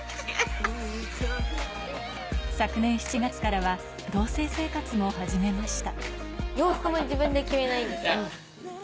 昨年７月からは同棲生活も始めました。